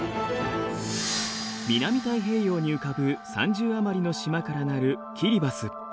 南太平洋に浮かぶ３０余りの島から成るキリバス。